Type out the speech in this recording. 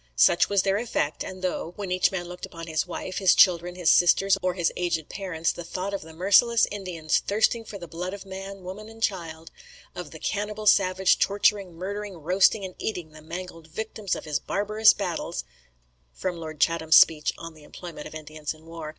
Such was their effect; and though, when each man looked upon his wife, his children, his sisters, or his aged parents, the thought of the merciless Indian "thirsting for the blood of man, woman, and child," of "the cannibal savage torturing, murdering, roasting, and eating the mangled victims of his barbarous battles," [Lord Chatham's speech on the employment of Indians in the war.